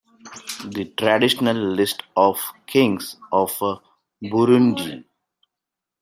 The traditional list of Kings of Burundi.